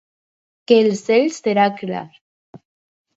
Que el cel serà clar.